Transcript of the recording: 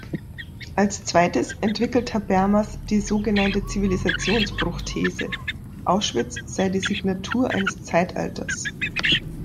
Als zweites entwickelt Habermas die sogenannte Zivilisationsbruch-These: Auschwitz sei die Signatur eines Zeitalters.